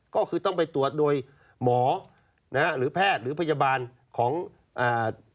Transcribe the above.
ก็คือต้องไปตรวจโดยหมอนะฮะหรือแพทย์หรือพยาบาลของอ่า